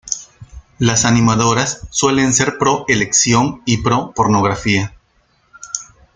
Las animadoras suelen ser pro elección y pro pornografía.